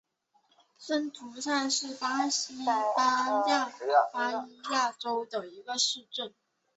森图塞是巴西巴伊亚州的一个市镇。